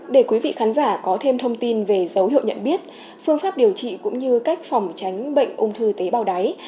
để quý vị khán giả có thêm thông tin về dấu hiệu nhận biết phương pháp điều trị cũng như cách phòng tránh bệnh ung thư tế bào đáy